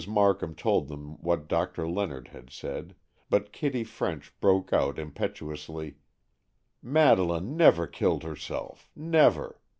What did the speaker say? Markham told them what Doctor Leonard had said, but Kitty French broke out impetuously, "Madeleine never killed herself, never!